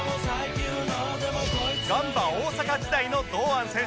ガンバ大阪時代の堂安選手